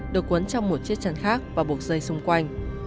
được cuốn trong một chiếc chăn khác và buộc dây xung quanh